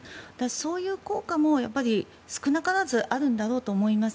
そういう効果も少なからずあるんだろうと思います。